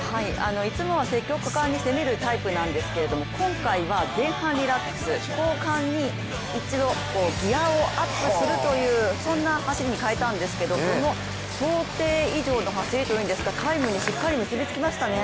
いつもは積極的に攻める選手なんですが今回は、前半リラックス、後半に一度ギアをアップするというそんな走りに変えたんですけど想定以上の走りというんですかタイムにしっかり結びつきましたね。